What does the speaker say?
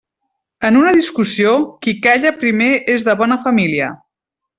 En una discussió, qui calla primer és de bona família.